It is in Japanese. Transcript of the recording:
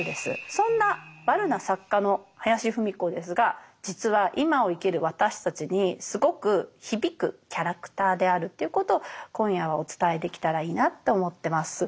そんなワルな作家の林芙美子ですが実は今を生きる私たちにすごく響くキャラクターであるということを今夜はお伝えできたらいいなと思ってます。